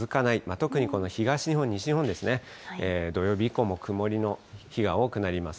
特にこの東日本、西日本ですね、土曜日以降も曇りの日が多くなります。